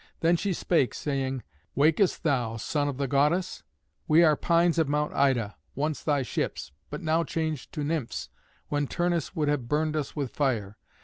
Then she spake, saying, "Wakest thou, son of the goddess? We are pines of Mount Ida, once thy ships, but now changed to Nymphs when Turnus would have burned us with fire.